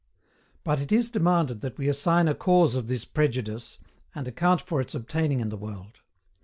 But it is demanded that we assign A CAUSE OF THIS PREJUDICE, and account for its obtaining in the world.